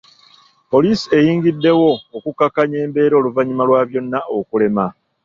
Poliisi eyingiddewo okukakkanya embeera oluvannyuma lwa byonna okulema.